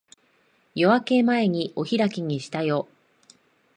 夜明け前にお開きにしたよ。